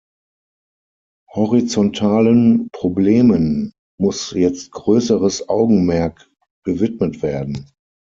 Horizontalen Problemen muss jetzt größeres Augenmerk gewidmet werden.